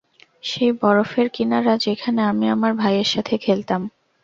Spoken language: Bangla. সেই বরফের কিনারা, যেখানে আমি আমার ভাইয়ের সাথে খেলতাম।